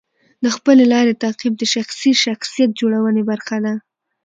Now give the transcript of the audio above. د خپلې لارې تعقیب د شخصي شخصیت جوړونې برخه ده.